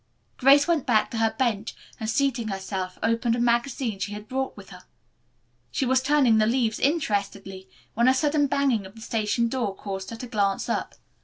Grace went back to her bench, and, seating herself, opened a magazine she had brought with her. She was turning the leaves interestedly when a sudden banging of the station door caused her to glance up.